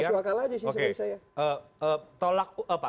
tidak masuk akal saja sih sepertinya saya